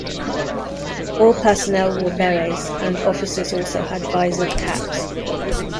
All personnel wore berets, and officers also had visored caps.